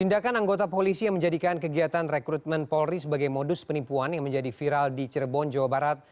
tindakan anggota polisi yang menjadikan kegiatan rekrutmen polri sebagai modus penipuan yang menjadi viral di cirebon jawa barat